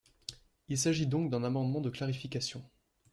Il s’agit donc d’un amendement de clarification.